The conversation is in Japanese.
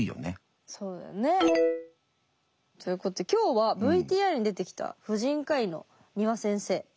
そうだよね。ということで今日はＶＴＲに出てきた婦人科医の丹羽先生